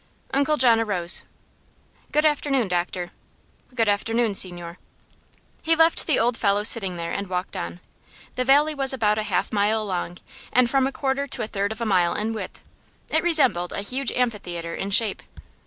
Uncle John arose. "Good afternoon, doctor." "Good afternoon, signore." He left the old fellow sitting there and walked on. The valley was about a half mile long and from a quarter to a third of a mile in width. It resembled a huge amphitheatre in shape.